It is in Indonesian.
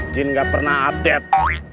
jin gak pernah adet